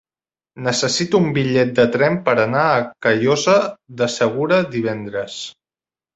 Necessito un bitllet de tren per anar a Callosa de Segura divendres.